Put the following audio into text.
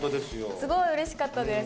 すごいうれしかったです。